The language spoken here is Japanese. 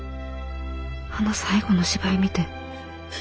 あの最後の芝居見て。